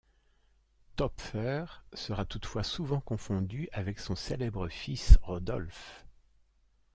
Töpffer sera toutefois souvent confondu avec son célèbre fils Rodolphe.